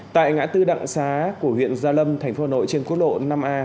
tại ngã tư đặng xá của huyện gia lâm thành phố hà nội trên quốc lộ năm a